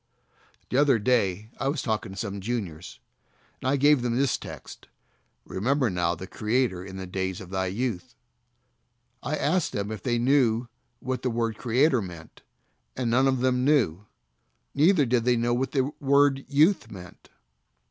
The other day I was talking to some juniors, and I gave them this text, "Remember now thy Creator in the days of thy youth," I asked them if they knew what the word "Creator" meant, and none of them knew, neither did they know what the word "youth" meant.